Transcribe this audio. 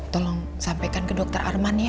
tolong sampaikan ke dokter arman ya